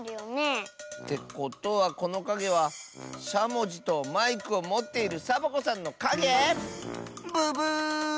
てことはこのかげはしゃもじとマイクをもっているサボ子さんのかげ⁉ブブー！